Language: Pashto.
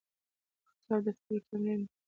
کتاب د فکر تمرین دی.